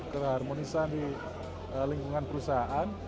keharmonisan di lingkungan perusahaan